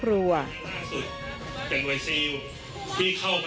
สวัสดีครับ